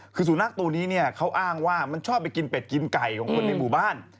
คือสุนัขตัวนี้เนี่ยเขาอ้างว่ามันชอบไปกินเป็ดกินไก่ของคนในหมู่บ้าน